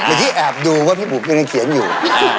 เหมือนที่แอบดูว่าพี่บุ๋มยังไงเขียนอยู่